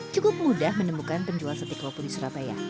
cukup mudah menemukan penjual sate klopo di surabaya